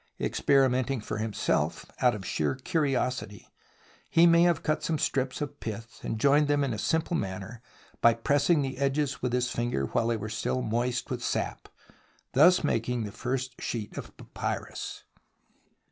Experimenting for himself out of sheer curiosity, he may have cut some strips of pith and joined them in a simple manner by pressing the edges with his finger while they were still moist with sap, thus making the first sheet of papyrus.